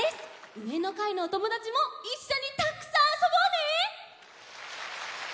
うえのかいのおともだちもいっしょにたくさんあそぼうね！